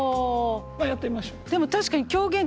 まあやってみましょう。